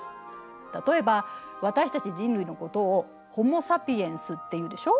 例えば私たち人類のことを「ホモ・サピエンス」っていうでしょ？